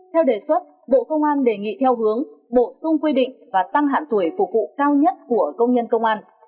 theo đề xuất bộ công an đề nghị theo hướng bổ sung quy định và tăng hạn tuổi phục vụ cao nhất của công nhân công an